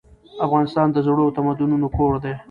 افغانستان د زړو تمدنونو کور دی.